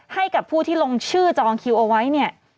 ให้กับผู้ที่ลงชื่อจองคิวเอาไว้เนี่ย